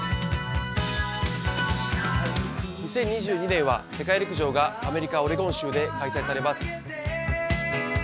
２０２２年は世界陸上がアメリカ・オレゴン州で開催されます。